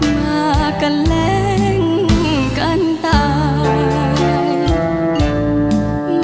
มากันแรงกันตาย